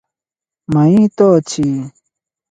ମାଇଁ ତ ଅଛି!